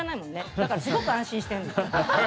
だからすごく安心してるんです。